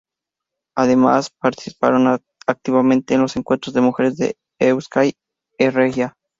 Además, participaron activamente en los encuentros de mujeres de Euskal Herria.